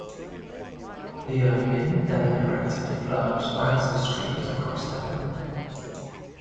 Liu Min then erected a flow of flags and streamers across the hill.